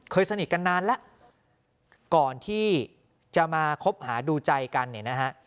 สนิทกันนานแล้วก่อนที่จะมาคบหาดูใจกันเนี่ยนะฮะ